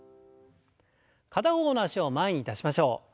片方の脚を前に出しましょう。